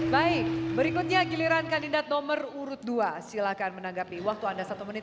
baik berikutnya giliran kandidat nomor urut dua silahkan menanggapi waktu anda satu menit